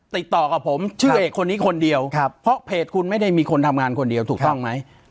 ติดต่อกับผมชื่อเอกคนนี้คนเดียวเพราะเพจคุณไม่ได้มีคนทำงานคนเดียวถูกต้องไหม